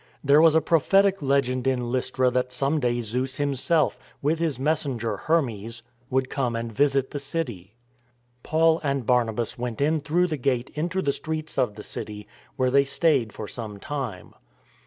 There was a prophetic legend in Lystra that' some day Zeus himself, with his messenger Hermes, would come and visit the city. Paul and Barnabas went in through the gate into the streets of the city, where they stayed for some time.